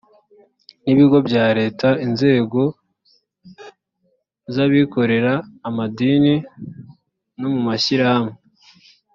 n ibigo bya leta inzego z abikorera amadini no mu mashyirahamwe